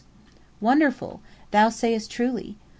"Wonderful! thou sayest truly."